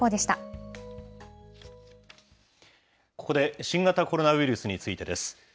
ここで新型コロナウイルスについてです。